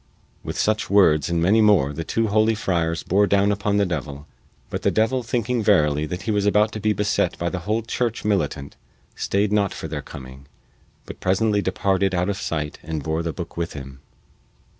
With such words and many more the two holy friars bore down upon the devil; but the devil thinking verily that he was about to be beset by the whole church militant stayed not for their coming, but presently departed out of sight and bore the book with him.